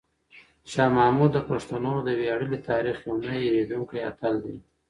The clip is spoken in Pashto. شاه محمود د پښتنو د ویاړلي تاریخ یو نه هېرېدونکی اتل دی.